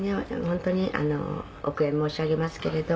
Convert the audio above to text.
「本当にお悔やみ申し上げますけれど」